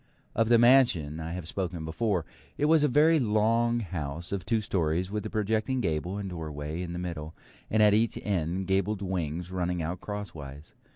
Of the mansion I have spoken before. It was a very long house of two storeys, with a projecting gable and doorway in the middle, and at each end gabled wings running out crosswise.